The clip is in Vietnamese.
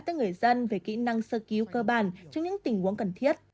tới người dân về kỹ năng sơ cứu cơ bản trong những tình huống cần thiết